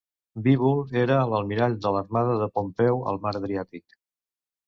Bíbul era l'almirall de l'armada de Pompeu al mar Adriàtic.